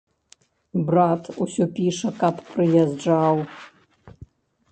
Брат усё піша, каб прыязджаў.